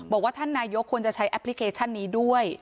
บอกว่าท่านนายกควรจะใช้แอปพลิเคชันนี้ด้วย